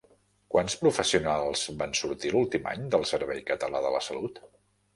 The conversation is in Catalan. Quants professionals van sortir l'últim any del Servei Català de la Salut?